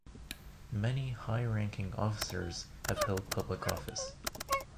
Many high-ranking officers have held public office.